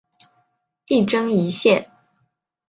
一针一线